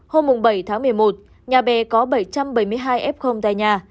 hôm bảy tháng một mươi một nhà bè có bảy trăm bảy mươi hai f tại nhà